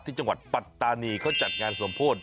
จังหวัดปัตตานีเขาจัดงานสมโพธิ